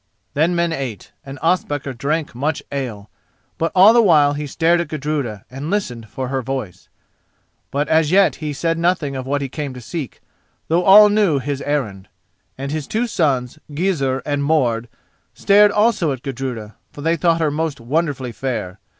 Then men ate and Ospakar drank much ale, but all the while he stared at Gudruda and listened for her voice. But as yet he said nothing of what he came to seek, though all knew his errand. And his two sons, Gizur and Mord, stared also at Gudruda, for they thought her most wonderfully fair.